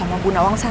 nonton juga ya